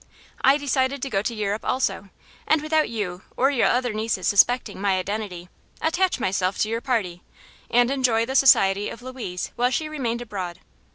I decided to go to Europe also, and without you or your other nieces suspecting, my identity, attach myself to your party and enjoy the society of Louise while she remained abroad.